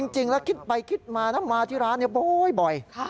จริงแล้วคิดไปคิดมานะมาที่ร้านบ่อย